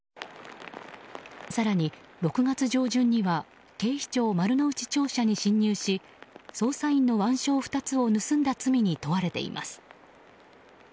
更に、６月上旬には警視庁丸の内庁舎に侵入し捜査員の腕章２つを盗んだ罪に問われています。